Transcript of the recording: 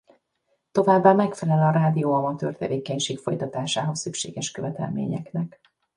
Továbbá megfelel a rádióamatőr tevékenység folytatásához szükséges követelményeknek.